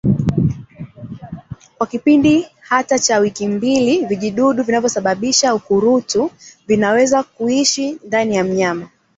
Kwa kipindi hata cha wiki mbili vijidudu vinavyosababisa ukurutu vinaweza kuishi ndani ya mnyama